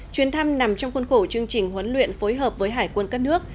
chuyến thăm nằm trong khuôn khổ chương trình huấn luyện phối hợp với hải quân cất nước